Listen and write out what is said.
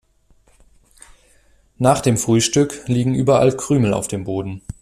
Nach dem Frühstück liegen überall Krümel auf dem Boden.